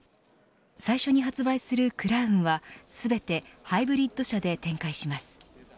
最初に発売するクラウンは全てハイブリッド車で展開します。